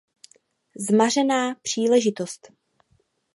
Zmařená příležitost!